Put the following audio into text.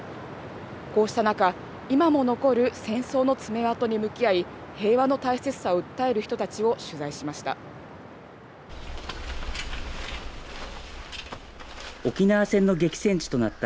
こうした中、今も残る戦争の爪痕に向き合い、平和の大切さを訴える人たちを取材しました。